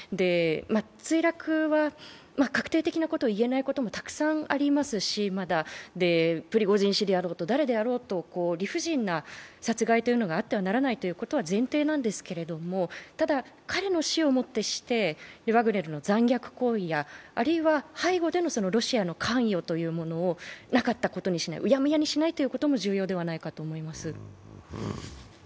墜落は確定的なことを言えないこともたくさんありますし、まだプリゴジン氏であろうと誰であろうと、理不尽な殺害というのがあってはならないということは前提なんですけど、ただ、彼の死を持ってしてワグネルの残虐行為やあるいは背後でのロシアの関与をなかったものにしない、うやむやにしないということも重要ではないかと思います。